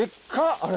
あれ。